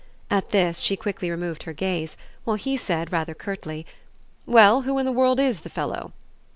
At this she quickly removed her gaze, while he said rather curtly: "Well, who in the world IS the fellow?"